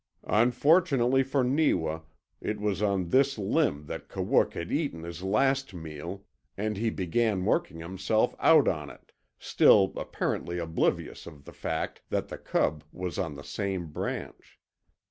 Unfortunately for Neewa it was on this limb that Kawook had eaten his last meal, and he began working himself out on it, still apparently oblivious of the fact that the cub was on the same branch.